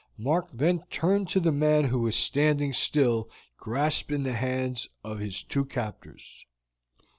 Mark then turned to the man who was standing still grasped in the hands of his two captors.